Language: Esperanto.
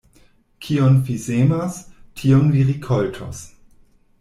Kion vi semas, tion vi rikoltos.